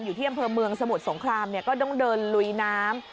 อยู่ที่อำเภอเมืองสมุทรสงครามก็ต้องเดินลุยน้ำ